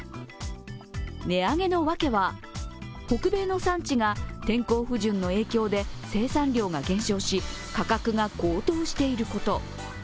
値上げの訳は北米の産地が天候不順の影響で生産量が減少し価格が高騰していること。